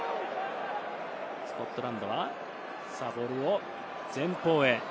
スコットランドはボールを前方へ。